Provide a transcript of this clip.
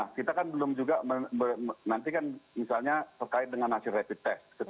nah kita kan belum juga nanti kan misalnya terkait dengan hasil rapid test